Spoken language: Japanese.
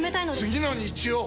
次の日曜！